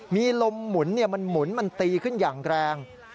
มีลมหมุนมันหมุนมันตีขึ้นอย่างแรง